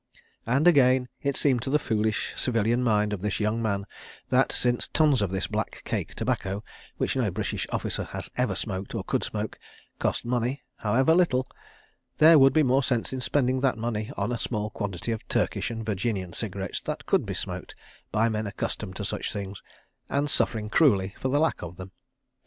..." And again it seemed to the foolish civilian mind of this young man that, since tons of this black cake tobacco (which no British officer ever has smoked or could smoke) cost money, however little—there would be more sense in spending the money on a small quantity of Turkish and Virginian cigarettes that could be smoked, by men accustomed to such things, and suffering cruelly for lack of them.